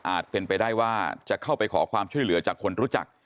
เป็นไปได้ว่าจะเข้าไปขอความช่วยเหลือจากคนรู้จัก